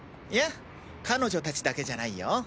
いや彼女達だけじゃないよ。